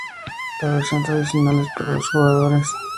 La versión tradicional es para dos jugadores.